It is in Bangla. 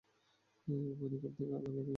মানিকম তাকে আদালতে নিয়ে যাবে।